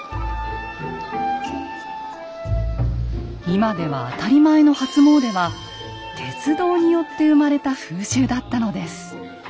今では当たり前の「初詣」は鉄道によって生まれた風習だったのです。